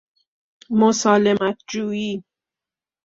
مسالمت جوئی